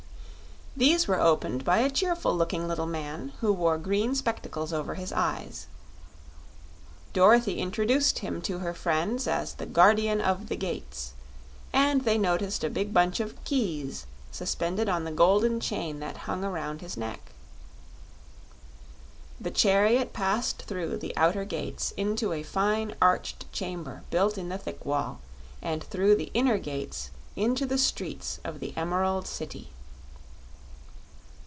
These were opened by a cheerful looking little man who wore green spectacles over his eyes. Dorothy introduced him to her friends as the Guardian of the Gates, and they noticed a big bunch of keys suspended on the golden chain that hung around his neck. The chariot passed through the outer gates into a fine arched chamber built in the thick wall, and through the inner gates into the streets of the Emerald City.